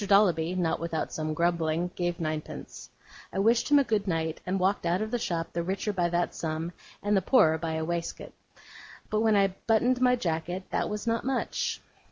Dolloby, not without some grumbling, gave ninepence. I wished him good night, and walked out of the shop the richer by that sum, and the poorer by a waistcoat. But when I buttoned my jacket, that was not much.